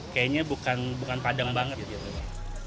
kayaknya bukan padang banget gitu